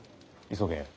急げ。